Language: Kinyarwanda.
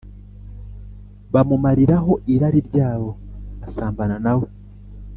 bamumariraho irari ryabo basambana na we